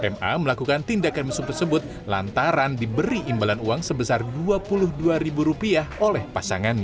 ma melakukan tindakan mesum tersebut lantaran diberi imbalan uang sebesar dua puluh dua oleh pasangannya